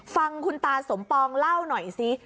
ฟังคุณตาสมปองเล่าหน่อยซิ